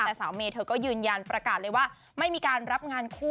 แต่สาวเมย์เธอก็ยืนยันประกาศเลยว่าไม่มีการรับงานคู่